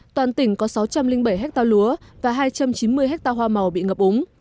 toàn tỉnh có sáu trăm linh bảy hectare lúa và hai trăm chín mươi hectare hoa màu bị ngập úng